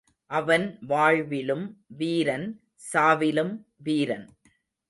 அவன் வாழ்விலும் வீரன், சாவிலும் வீரன்.